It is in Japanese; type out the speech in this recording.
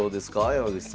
山口さん。